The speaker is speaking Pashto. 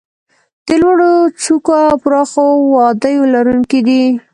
د لوړو څوکو او پراخو وادیو لرونکي دي.